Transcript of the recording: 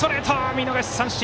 見逃し三振！